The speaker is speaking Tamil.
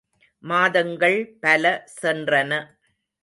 மாதங்கள் பல சென்றன.